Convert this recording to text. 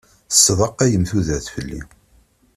Tesḍaqayem tudert fell-i.